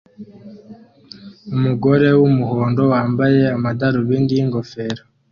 Umugore wumuhondo wambaye amadarubindi yingofero